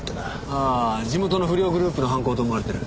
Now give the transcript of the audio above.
ああ地元の不良グループの犯行と思われてる。